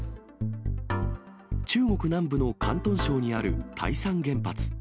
中国南部の広東省にある台山原発。